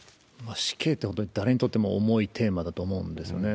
死刑というのは誰にとっても重いテーマだと思うんですよね。